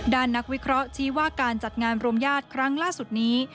นักวิเคราะห์ชี้ว่าการจัดงานบรมญาติครั้งล่าสุดนี้